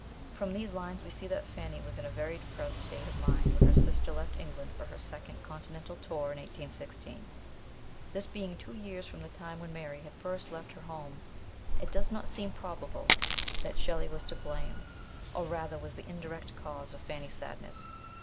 From these lines we see that Fanny was in a very depressed state of mind when her sister left England for her second Continental tour in 1816. This being two years from the time when Mary had first left her home, it does not seem probable that Shelley was to blame, or rather was the indirect cause of Fanny's sadness.